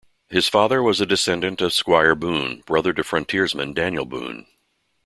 His father was a descendant of Squire Boone, brother to frontiersman Daniel Boone.